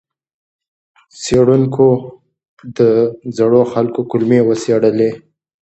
څېړونکو د زړو خلکو کولمې وڅېړلې.